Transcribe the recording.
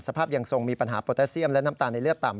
สภาพยังทรงมีปัญหาโปรตาเซียมและน้ำตาลในเลือดต่ำ